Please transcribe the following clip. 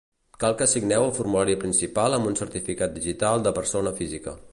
Cal que signeu el formulari principal amb un certificat digital de Persona Física.